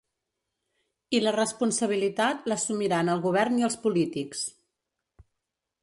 I la responsabilitat l’assumiran el govern i els polítics.